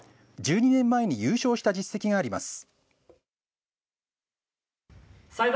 １２年前に優勝した実績があります。